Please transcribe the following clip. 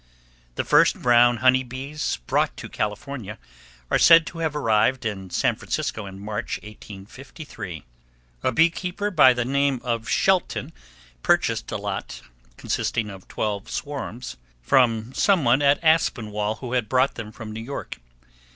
The first brown honey bees brought to California are said to have arrived in San Francisco in March, 1853. A bee keeper by the name of Shelton purchased a lot, consisting of twelve swarms, from some one at Aspinwall, who had brought them from New York.